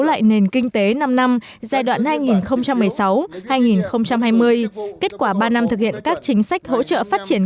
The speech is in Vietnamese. lại nền kinh tế năm năm giai đoạn hai nghìn một mươi sáu hai nghìn hai mươi kết quả ba năm thực hiện các chính sách hỗ trợ phát triển